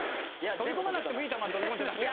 飛び込まなくてもいい球は飛び込んじゃダメ。